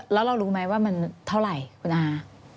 แล้วเรารู้ไหมว่ามันเท่าไหร่คุณอา